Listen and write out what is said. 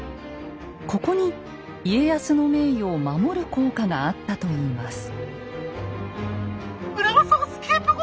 ここに家康の名誉を守る効果があったといいます。